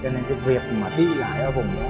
cho nên cái việc mà đi lại ở vùng đó